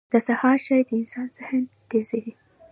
• د سهار چای د انسان ذهن تیزوي.